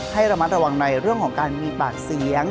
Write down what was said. ให้ระมัดระวังในเรื่องของการมีปากเสียง